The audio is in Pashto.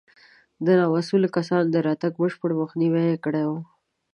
د نامسوولو کسانو د راتګ بشپړ مخنیوی یې کړی و.